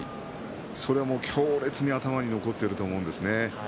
それは強烈に頭に残ってると思うんですよね。